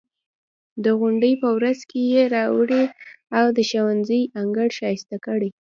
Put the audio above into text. د غونډې په ورځ یې راوړئ او د ښوونځي انګړ ښایسته کړئ.